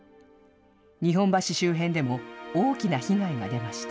日本橋周辺でも大きな被害が出ました。